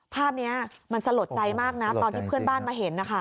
ภาพนี้มันสลดใจมากนะตอนที่เพื่อนบ้านมาเห็นนะคะ